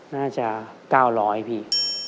น่าจะ๙๐๐พี่